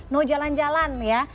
no jalan jalan ya